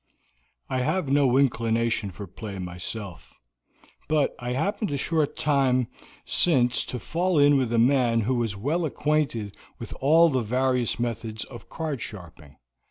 I have no inclination for play myself, but I happened a short time since to fall in with a man who was well acquainted with all the various methods of card sharping.